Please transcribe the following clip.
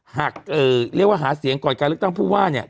หากเรียกว่าหาเสียงก่อนการเลือกตั้งผู้ว่าเนี่ย